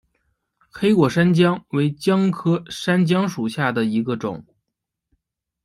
黑果山姜为姜科山姜属下的一个种。